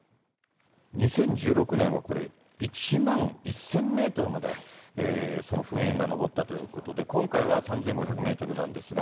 ２０１６年はこれ、１万１０００メートルまで噴煙が上ったということで、今回は３５００メートルなんですが。